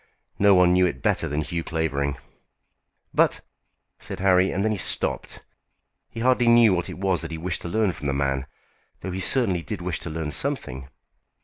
No one knew it better than Hugh Clavering." "But " said Harry, and then he stopped. He hardly knew what it was that he wished to learn from the man, though he certainly did wish to learn something.